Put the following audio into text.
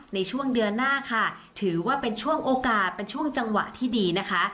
ในช่วงเดือนหน้าค่ะถือว่าเป็นช่วงโอกาสเป็นช่วงจังหวะที่ดีนะคะ